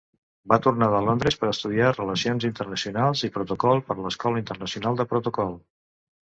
Va tornar de Londres per estudiar Relacions Internacionals i Protocol per l'Escola Internacional de Protocol.